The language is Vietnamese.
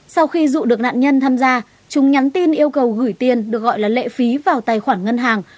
sau khi dụ được nạn nhân tham gia chúng nhắn tin yêu cầu gửi tiền được gọi là lệ phí vào tài khoản ngân hàng